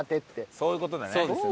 そういう事だね。